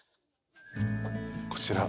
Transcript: こちら。